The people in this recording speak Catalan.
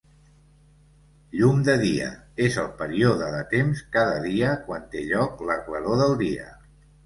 "Llum de dia" és el període de temps cada dia quan té lloc la claror del dia.